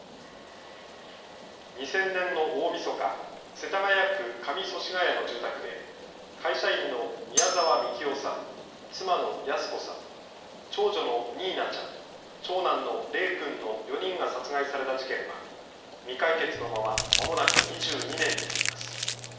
２０００年の大みそか、世田谷区上祖師谷の住宅で会社員の宮沢みきおさん、妻の泰子さん、長女のにいなちゃん、長男の礼君の４人が殺害された事件は未解決のまままもなく２２年となります。